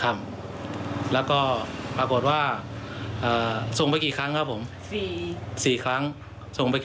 มีความรู้สึกอย่างไรครับ